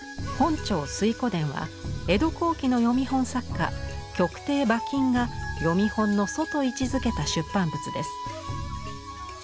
「本朝水滸伝」は江戸後期の読み本作家曲亭馬琴が読み本の祖と位置づけた出版物です。